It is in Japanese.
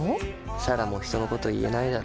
彩良も人のこと言えないだろ。